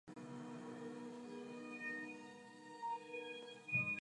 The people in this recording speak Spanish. Tiene una hermana con la que tiene una relación competitiva.